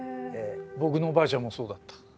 僕のおばあちゃんもそうだった。